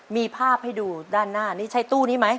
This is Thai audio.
มีภาพให้ดูด้านหน้านี่ใช้ตู้นี้ไหม